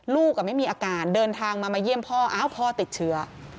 ลูกไม่มีอาการเดินทางมามาเยี่ยมพ่ออ้าวพ่อติดเชื้อ